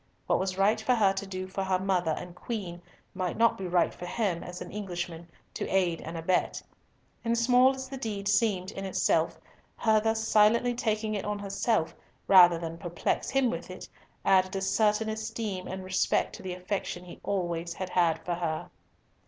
What was right for her to do for her mother and Queen might not be right for him, as an Englishman, to aid and abet; and small as the deed seemed in itself, her thus silently taking it on herself rather than perplex him with it, added a certain esteem and respect to the affection he had always had for her.